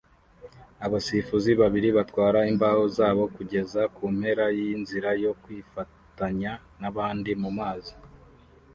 Abasifuzi babiri batwara imbaho zabo kugeza kumpera yinzira yo kwifatanya nabandi mumazi